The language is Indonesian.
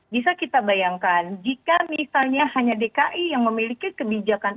bisa kita bayangkan jika misalnya hanya dki yang memiliki kebijakan